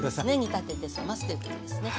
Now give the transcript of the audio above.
煮立てて冷ますということですね。